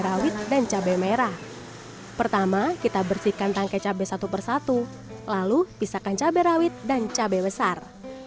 rawit dan cabai merah pertama kita bersihkan tangkai cabai satu persatu lalu pisahkan cabai rawit dan cabai besar